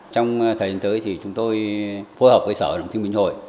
trong thời gian tới thì chúng tôi phối hợp với sở đồng tinh bình hội